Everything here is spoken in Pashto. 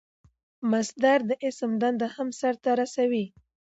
مصدر د اسم دندې هم سر ته رسوي.